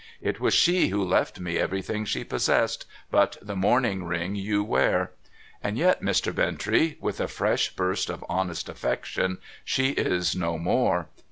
it was she who left me everything she possessed, but the mourning ring you wear. And yet, Mr. Bintrey,' with a fresh burst of honest affection, ' she is no more.